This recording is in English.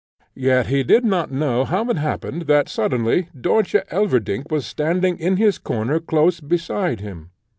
Yet he did not know how it happened that on a sudden Dörtje Elverdink was standing in his corner close beside him.